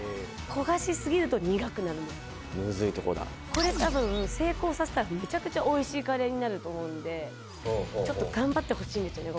「これ多分成功させたらめちゃくちゃ美味しいカレーになると思うんでちょっと頑張ってほしいんですよね